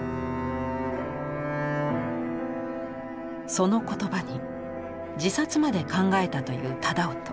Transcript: その言葉に自殺まで考えたという楠音。